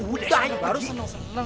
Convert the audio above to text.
udah ya ga usah seneng seneng